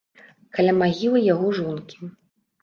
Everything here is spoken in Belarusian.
Каля магілы яго жонкі.